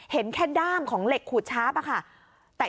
เห็นแค่ด้ามของเหล็กขูดชาร์ฟค่ะ